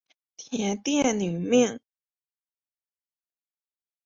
天钿女命。